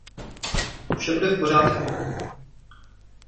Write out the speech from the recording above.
Vše bude v pořádku.